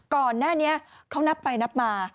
ก่อนหน้านี้เขานับไปนับมา